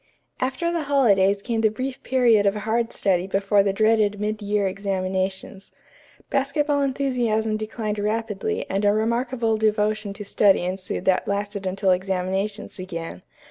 After the holidays came the brief period of hard study before the dreaded mid year examinations. Basketball enthusiasm declined rapidly and a remarkable devotion to study ensued that lasted until examinations began.